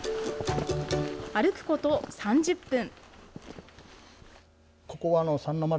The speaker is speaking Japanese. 歩くこと３０分。